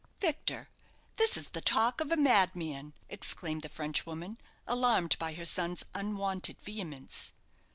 "Victor, this is the talk of a madman!" exclaimed the Frenchwoman, alarmed by her son's unwonted vehemence.